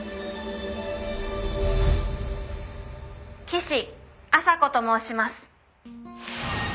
岸朝子と申します。